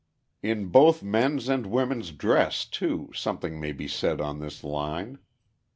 ] In both men's and women's dress, too, something may be said on this line.